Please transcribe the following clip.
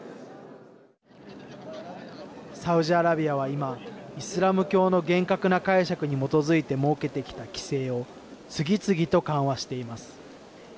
サウジアラビアは今イスラム教の厳格な解釈に基づいて設けてきた規制を次々と緩和しています。